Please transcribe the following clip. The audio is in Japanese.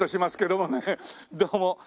どうも。